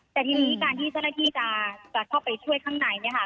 แต่ทีนี้การที่เจ้าหน้าที่จะเข้าไปช่วยข้างใน